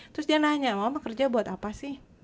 terus dia nanya mama kerja buat apa sih